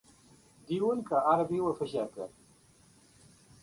Diuen que ara viu a Fageca.